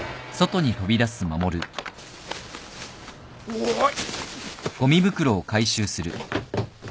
おい。